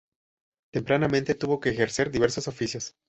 Tempranamente tuvo que ejercer diversos oficios.